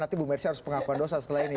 nanti bu mercy harus pengakuan dosa setelah ini